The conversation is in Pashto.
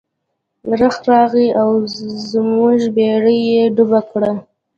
رخ راغی او زموږ بیړۍ یې ډوبه کړه.